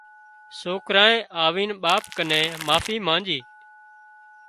سوڪرانئي آوينَ ٻاپ ڪنين معافي مانڄي